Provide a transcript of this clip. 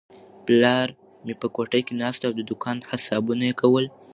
پلار مې په کوټه کې ناست و او د دوکان حسابونه یې کول.